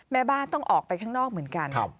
แม่บ้านต้องออกไปข้างนอกเหมือนกัน